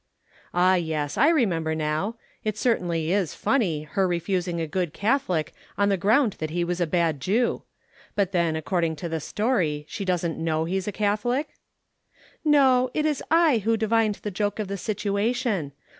"Ah, yes, I remember now. It certainly is funny, her refusing a good Catholic on the ground that he was a bad Jew. But then according to the story she doesn't know he's a Catholic?" "No, it was I who divined the joke of the situation.